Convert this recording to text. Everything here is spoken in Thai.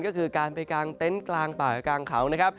ก็คือการไปกางเต็นต์กลางป่ากลางเขานะครับ